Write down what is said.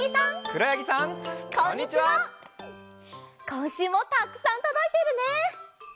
こんしゅうもたくさんとどいているね！